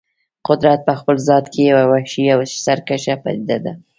قدرت په خپل ذات کې یوه وحشي او سرکشه پدیده ده.